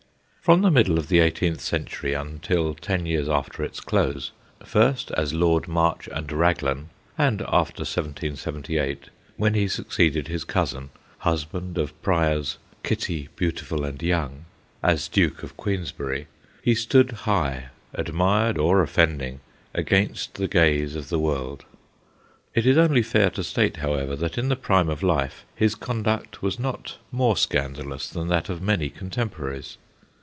From the middle of the eighteenth century until ten years after its close, first as Lord March and Eaglan, and after 1778, when he succeeded his cousin, husband of Prior's 'Kitty, beautiful and young,' as Duke of Queensberry, he stood high, ad mired or offending, against the gaze of the world. It is only fair to state, however, that in the prime of life his conduct was not more scandalous than that of many contem poraries.